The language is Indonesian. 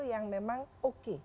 yang memang oke